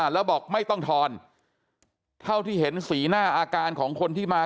แล้วบอกไม่ต้องทอนเท่าที่เห็นสีหน้าอาการของคนที่มา